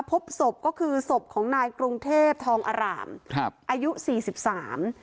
พบศพก็คือศพของนายกรุงเทพทองอร่ามครับอายุสี่สิบสาม